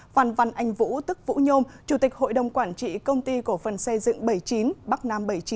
văn văn anh vũ tức vũ nhôm chủ tịch hội đồng quản trị công ty cổ phần xây dựng bảy mươi chín bắc nam bảy mươi chín